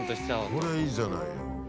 これいいじゃないよ。